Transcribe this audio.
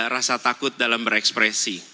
rasa takut dalam berekspresi